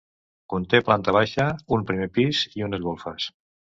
Conté planta baixa, un primer pis i unes golfes.